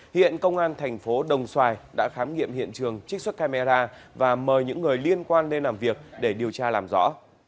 hiện công an thành phố đồng xoài đã khám nghiệm hiện trường trích xuất camera và mời những người liên quan lên làm việc để điều tra làm rõ